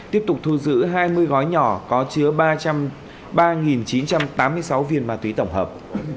tiếp tục thu giữ hai mươi gói nhỏ có chứa ba trăm ba chín trăm tám mươi sáu viên ma túy tổng hợp